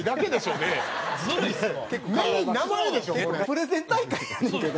プレゼン大会やねんけど。